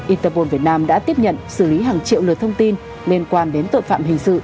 interpol việt nam đã tiếp nhận xử lý hàng triệu lượt thông tin liên quan đến tội phạm hình sự